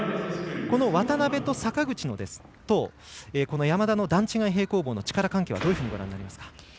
渡部と坂口ですとこの山田の段違い平行棒の力関係はどういうふうにご覧になりますか。